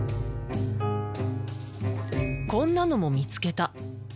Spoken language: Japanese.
こんなのも見つけた。